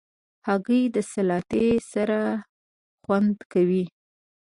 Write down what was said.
هګۍ د سلاتې سره خوند کوي.